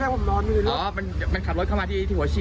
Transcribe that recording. วิ่งกลับไปวิ่งกลับมาที่รถมัน